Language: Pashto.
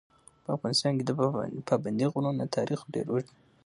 په افغانستان کې د پابندي غرونو تاریخ ډېر اوږد دی.